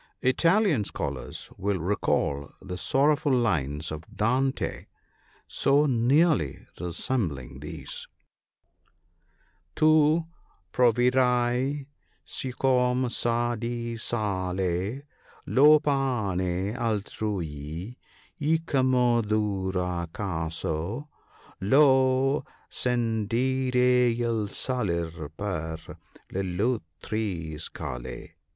— Italian scholars will recall the sorrowful lines of Dante, so nearly resembling these —" Tu proverai siccome sa di sale Lo pane altrui, e com 'e duro Caso Lo scendere e 1' salir per l'altrui scale."